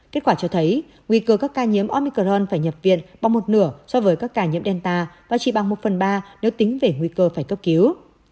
kết quả cho thấy nguy cơ các ca nhiễm omicron phải nhập viện bằng một nửa so với các ca nhiễm delta và chỉ bằng một phần ba nếu tính về nguy cơ phải cấp cứu